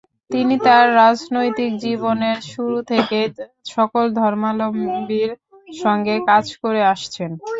তিনি তাঁর রাজনৈতিক জীবনের শুরু থেকেই সকল ধর্মাবলম্বীর সঙ্গে কাজ করে আসছেন।